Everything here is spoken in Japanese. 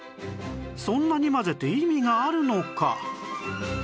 そんなに混ぜて意味があるのか？